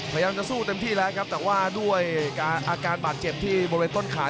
พยายามจะสู้เต็มที่แล้วครับแต่ว่าด้วยอาการบาดเจ็บที่บริเวณต้นขา